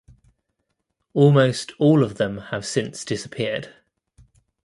Almost all of them have since disappeared.